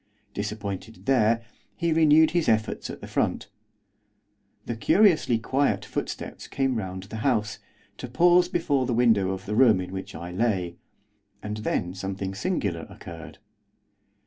Disappointed there, he renewed his efforts at the front. The curiously quiet footsteps came round the house, to pause before the window of the room in which I lay, and then something singular occurred.